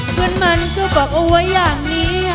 เพื่อนมันก็บอกว่าอยากหนี